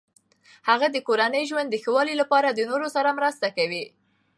هغه د کورني ژوند د ښه والي لپاره د نورو سره مرسته کوي.